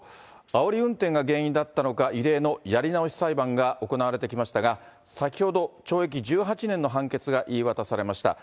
あおり運転が原因だったのか、異例のやり直し裁判が行われてきましたが、先ほど、懲役１８年の判決が言い渡されました。